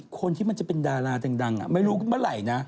คนที่มันจะเป็นดาราดังไม่รู้เมื่อไหร่นะ